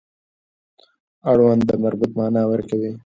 اړوند د مربوط معنا ورکوي.